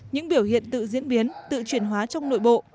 những biểu hiện tự diễn biến tự chuyển hóa trong nội bộ